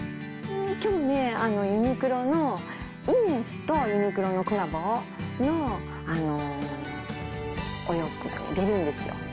きょうね、ユニクロのイネスとユニクロのコラボのお洋服が出るんですよ。